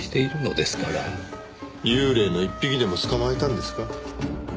幽霊の一匹でも捕まえたんですか？